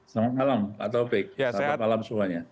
selamat malam pak taufik selamat malam semuanya